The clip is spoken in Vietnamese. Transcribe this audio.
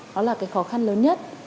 đó là cái khó khăn lớn nhất